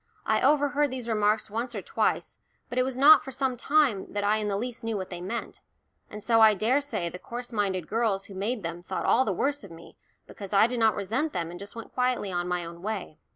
I overheard these remarks once or twice, but it was not for some time that I in the least knew what they meant, and so I daresay the coarse minded girls who made them thought all the worse of me because I did not resent them and just went quietly on my own way.